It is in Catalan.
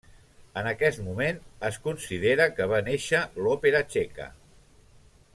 En aquest moment es considera que va néixer l'òpera txeca.